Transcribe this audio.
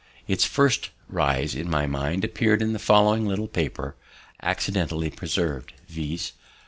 Its first rise in my mind appears in the following little paper, accidentally preserv'd, viz.